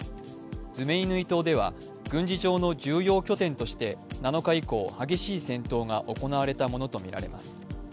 ズメイヌイ島では軍事上の重要拠点として７日以降、激しい戦闘が行われたものとみています。